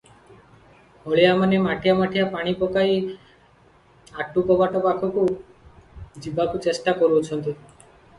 ହଳିଆମାନେ ମାଠିଆ ମାଠିଆ ପାଣି ପକାଇ ଆଟୁ କବାଟ ପାଖକୁ ଯିବାକୁ ଚେଷ୍ଟା କରୁଅଛନ୍ତି ।